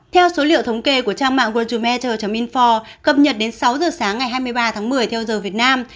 theo số liệu thống kê của trang mạng worldu meter info cập nhật đến sáu giờ sáng ngày hai mươi ba tháng một mươi theo giờ việt nam